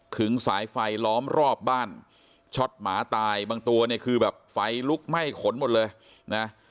สายไฟล้อมรอบบ้านช็อตหมาตายบางตัวเนี่ยคือแบบไฟลุกไหม้ขนหมดเลยนะ